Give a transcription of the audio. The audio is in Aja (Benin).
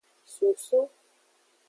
Soso.